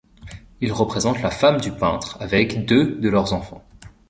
Il représente la femme du peintre avec deux de leurs enfants.